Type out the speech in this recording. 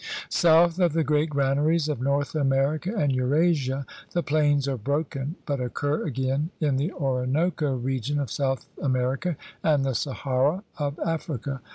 South of the great granaries of North America and Eurasia the plains are broken, but occur again in the Orinoco region of South America and the Sahara of Africa.